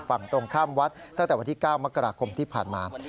ฝั่งตรงข้ามวัดตั้งแต่วันที่๙มกราคมที่ผ่านมา